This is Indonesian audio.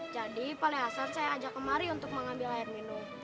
paling hasan saya ajak kemari untuk mengambil air minum